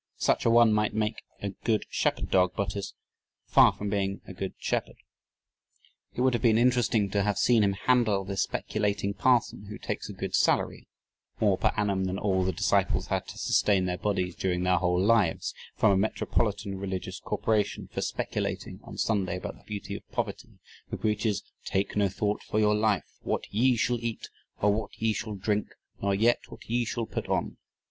Such a one might make a good shepherd dog but is far from being a good shepherd." It would have been interesting to have seen him handle the speculating parson, who takes a good salary more per annum than all the disciples had to sustain their bodies during their whole lives from a metropolitan religious corporation for "speculating" on Sunday about the beauty of poverty, who preaches: "Take no thought (for your life) what ye shall eat or what ye shall drink nor yet what ye shall put on